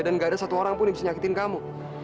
dan nggak ada satu orang pun yang bisa nyakitin kamu